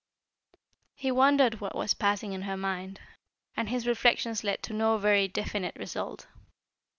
He wandered what was passing in her mind, and his reflections led to no very definite result.